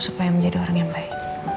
supaya menjadi orang yang baik